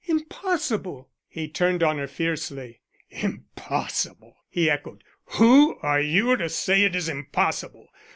"Impossible." He turned on her fiercely. "Impossible," he echoed. "Who are you to say it is impossible?